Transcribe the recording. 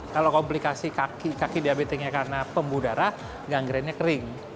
kalau komplikasi kaki kaki diabetesnya karena pembuah udara gangrennya kering